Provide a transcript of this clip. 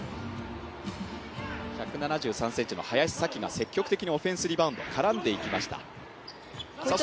１７３ｃｍの林咲希が積極的にオフェンスリバウンド、絡んでいきました。